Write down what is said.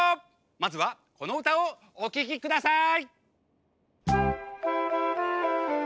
まずはこのうたをおききください！